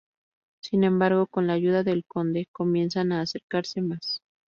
Sin embargo, con la ayuda del Conde comienzan a acercarse más.